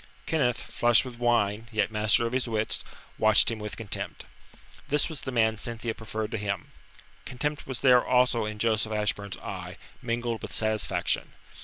Kenneth, flushed with wine, yet master of his wits, watched him with contempt. This was the man Cynthia preferred to him! Contempt was there also in Joseph Ashburn's eye, mingled with satisfaction.